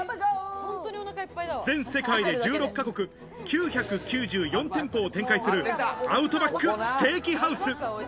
全世界で１６ヶ国９９４店舗を展開するアウトバックステーキハウス。